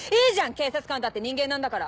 警察官だって人間なんだから。